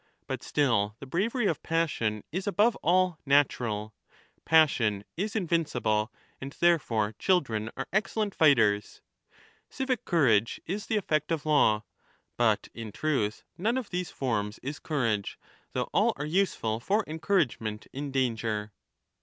But still the bravery of passion is above all natural (passion is invincible, and therefore children are excellent fighters) ; civic courage is the effect of law. But in jtru.tlLnone_of these 30 forms is courage, though all are useful for encouragement in danger.